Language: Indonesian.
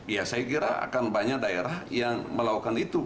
ya saya kira akan banyak daerah yang melakukan itu